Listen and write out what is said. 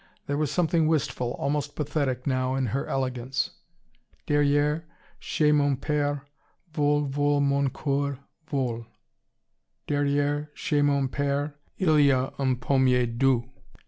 There was something wistful, almost pathetic now, in her elegance. "Derriere chez mon pere Vole vole mon coeur, vole! Derriere chez mon pere Il y a un pommier doux.